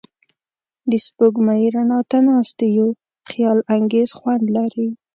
د سپوږمۍ رڼا ته ناستې یو خیالانګیز خوند لري.